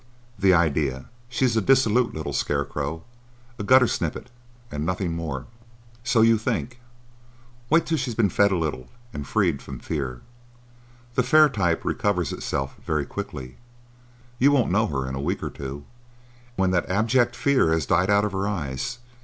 "The idea! She's a dissolute little scarecrow,—a gutter snippet and nothing more." "So you think. Wait till she has been fed a little and freed from fear. That fair type recovers itself very quickly. You won't know her in a week or two, when that abject fear has died out of her eyes.